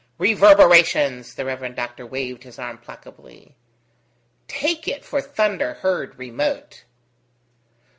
"Reverberations!" the Rev. Doctor waved his arm placably. "Take it for thunder heard remote."